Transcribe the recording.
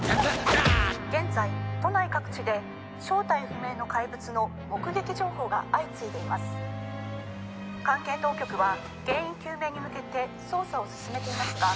「現在都内各地で正体不明の怪物の目撃情報が相次いでいます」「関係当局は原因究明に向けて捜査を進めていますが」